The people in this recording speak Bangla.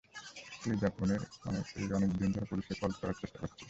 তুই যা পনির, তুই অনেক দিন ধরে পুলিশকে কল করার চেষ্টা করছিস।